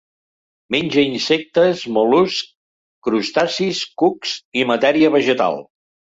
Menja insectes, mol·luscs, crustacis, cucs i matèria vegetal.